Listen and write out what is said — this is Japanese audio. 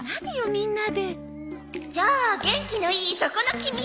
みんなでじゃあ元気のいいそこのキミ！